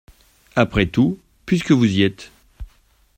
Après tout, puisque vous y êtes !